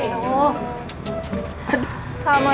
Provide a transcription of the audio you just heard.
ya ustadz pusing